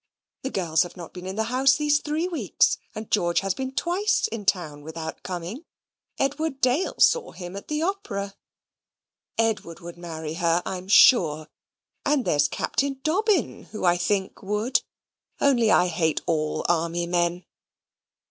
The girls have not been in the house these three weeks; and George has been twice in town without coming. Edward Dale saw him at the Opera. Edward would marry her I'm sure: and there's Captain Dobbin who, I think, would only I hate all army men.